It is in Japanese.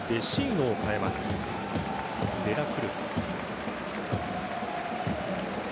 デラクルス。